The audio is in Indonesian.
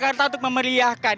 keliling jakarta untuk memeriahkan